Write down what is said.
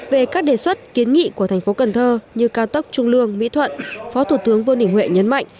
về các đề xuất kiến nghị của thành phố cần thơ như cao tốc trung lương mỹ thuận phó thủ tướng vương đình huệ nhấn mạnh